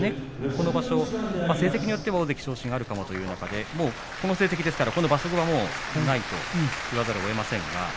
この場所は成績によっては大関昇進なるかもという中でこの成績ですから、この場所後はないと言わざるをえませんが。